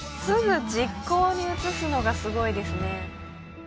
すぐ実行に移すのがすごいですね。